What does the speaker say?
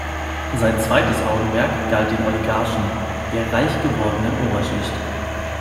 Sein zweites Augenmerk galt den Oligarchen, der reich gewordenen Oberschicht.